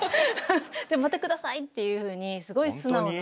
「でもまた下さい」っていうふうにすごい素直な。